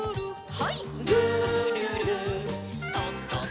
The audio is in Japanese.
はい。